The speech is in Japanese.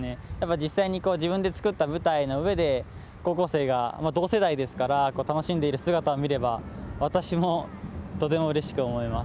実際に自分で作った舞台の上で高校生が同世代ですから楽しんでいる姿を見れば私もとてもうれしく思います。